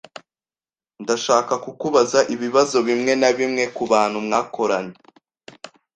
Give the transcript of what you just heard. Ndashaka kukubaza ibibazo bimwe na bimwe kubantu mwakoranye.